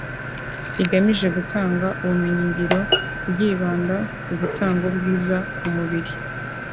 rigamije gutanga ubumenyi ngiro ryibanda ku gutanga ubwiza ku mubiri